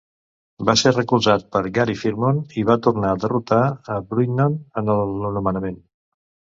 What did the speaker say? Va ser recolzat per Gary Filmon, i va tornar a derrotar a Bruinooge en el nomenament.